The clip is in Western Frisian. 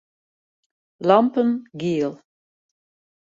Lampen giel.